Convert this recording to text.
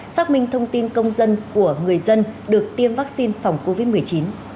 xác minh thông tin công dân của người dân được tiêm vaccine phòng covid một mươi chín